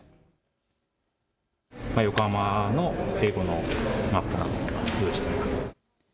横浜の英語のマップなども用意しています。